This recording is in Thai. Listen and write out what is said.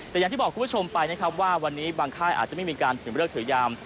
แต่อย่างที่บอกคุณผู้ชมไปนะครับว่าวันนี้บางค่ายอาจจะไม่มีการถือเลิกถือยาม